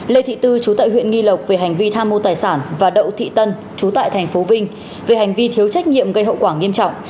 lê thị tư chú tại huyện nghi lộc về hành vi tham mô tài sản và đậu thị tân chú tại tp vinh về hành vi thiếu trách nhiệm gây hậu quả nghiêm trọng